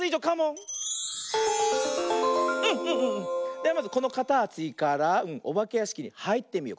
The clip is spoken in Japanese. ではまずこのかたちからおばけやしきにはいってみよう。